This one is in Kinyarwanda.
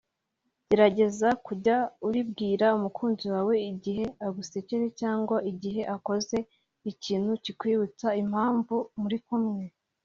gerageza kujya uribwira umukunzi wawe igihe agusekeje cyangwa igihe akoze ikintu cyikwibutsa impamvu muri kumwe